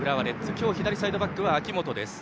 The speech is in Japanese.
今日左サイドバックは明本です。